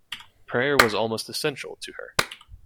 Prayer was almost essential to her.